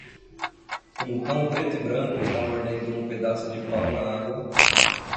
Um cão preto e branco está mordendo um pedaço de pau na água